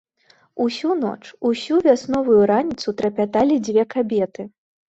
Усю ноч, усю вясновую раніцу трапяталі дзве кабеты.